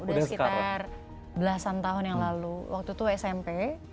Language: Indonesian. sudah sekitar belasan tahun yang lalu waktu itu smp